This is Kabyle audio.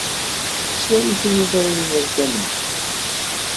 Yettwali tiliẓri yal tameddit.